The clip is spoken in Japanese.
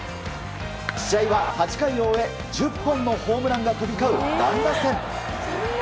試合は８回を終え、１０本のホームランが飛び交う乱打戦。